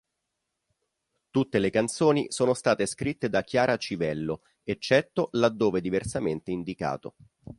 Tutte le canzoni sono state scritte da Chiara Civello, eccetto laddove diversamente indicato.